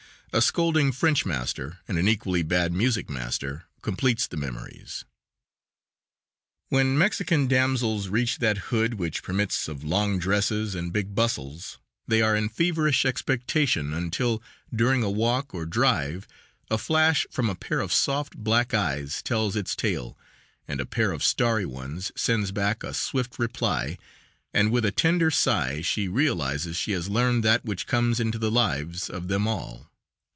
A scolding French master and an equally bad music master completes the memories. When Mexican damsels reach that "hood" which permits of long dresses and big bustles, they are in feverish expectation until, during a walk or drive, a flash from a pair of soft, black eyes tells its tale and a pair of starry ones sends back a swift reply, and with a tender sigh she realizes she has learned that which comes into the lives of them all.